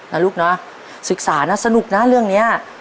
นะลูกนะศึกษานะสนุกนะเรื่องนี้